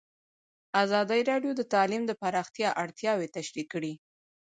ازادي راډیو د تعلیم د پراختیا اړتیاوې تشریح کړي.